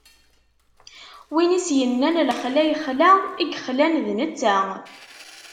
Win i s-innan lexla ixla, i yexlan d netta.